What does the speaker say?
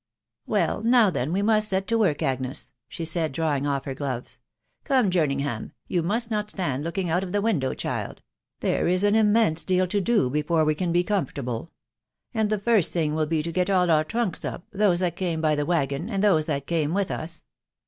" Well, now then we must set to work, Agnes," ..•. she said, drawing off her gloves. " Gome, Jerningbam, yon, must not' stand looking out of the window, child ; there is an im mense deal to do before we can be ■comfortable.. And the first thing will be to get all the trunks, up, those, that came: by the waggon, and those that came with us."